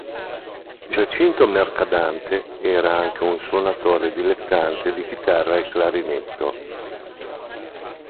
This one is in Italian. Giacinto Mercadante era anche un suonatore dilettante di chitarra e clarinetto.